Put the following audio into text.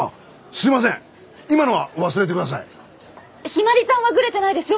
陽葵ちゃんはグレてないですよ